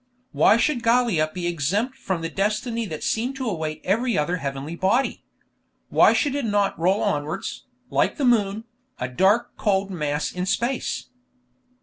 Why should Gallia be exempt from the destiny that seemed to await every other heavenly body? Why should it not roll onwards, like the moon, a dark cold mass in space?